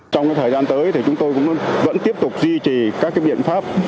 trong thời gian tới thì chúng tôi cũng vẫn tiếp tục duy trì các biện pháp